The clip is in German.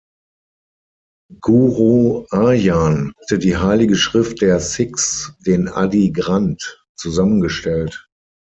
Guru Arjan hatte die heilige Schrift der Sikhs, den "Adi Granth", zusammengestellt.